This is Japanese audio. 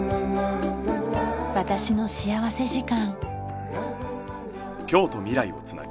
『私の幸福時間』。